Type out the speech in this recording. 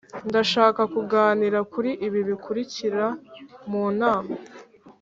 ndashaka kuganira kuri ibi bikurikira mu nama.